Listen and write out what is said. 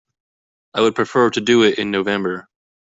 I would prefer to do it in November.